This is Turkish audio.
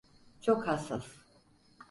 Çok hassas.